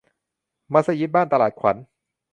มัสยิดบ้านตลาดขวัญ